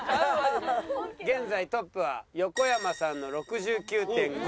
現在トップは横山さんの６９．５。